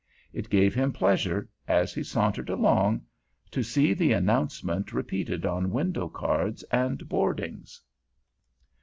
It gave him pleasure, as he sauntered along, to see the announcement repeated on window cards and hoardings.